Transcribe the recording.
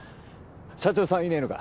社長さんはいねえのか？